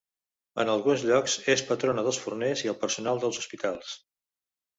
En alguns llocs és patrona dels forners i el personal dels hospitals.